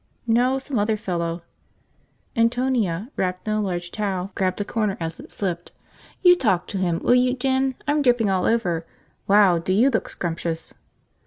"No, some other fellow." Antonia, wrapped in a large towel, grabbed a corner as it slipped. "You talk to him, will you, Jin? I'm dripping all over. Wow, do you look scrumptious!"